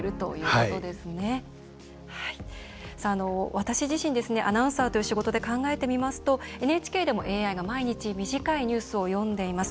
私自身アナウンサーという仕事で考えてみますとＮＨＫでもＡＩが毎日短いニュースを読んでいます。